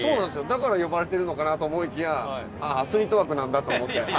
だから呼ばれてるのかなと思いきやアスリート枠なんだと思って。